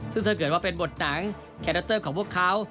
ซึ่งถ้าเกิดว่าเป็นบทหนังแครัตเตอร์ของพวกเขา